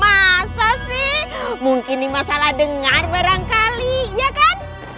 mas kondisi mungkin ini masalah dengar barangkali ya kan